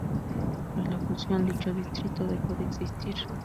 Tras la fusión, dicho distrito dejó de existir.